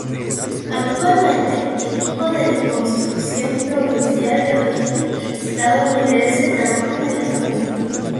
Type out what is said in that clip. Actualmente, Equipo de Reconstrucción Provincial de origen estadounidense trabajan en la zona.